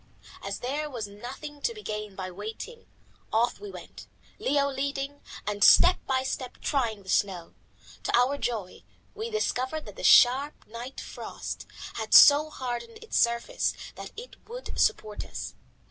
As there was nothing to be gained by waiting, off we went, Leo leading and step by step trying the snow. To our joy we discovered that the sharp night frost had so hardened its surface that it would support us.